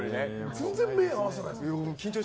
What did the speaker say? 全然、目合わせないですね。